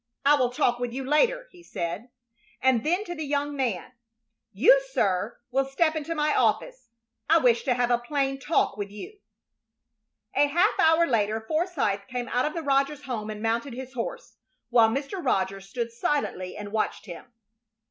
I will talk with you later," he said. And then to the young man, "You, sir, will step into my office. I wish to have a plain talk with you." A half hour later Forsythe came out of the Rogers house and mounted his horse, while Mr. Rogers stood silently and watched him.